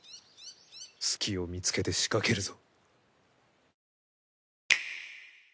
隙を見つけて仕掛けるぞ。